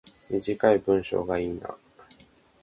短い文章がいいな